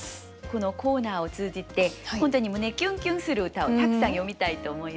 このコーナーを通じて本当に胸キュンキュンする歌をたくさん詠みたいと思います。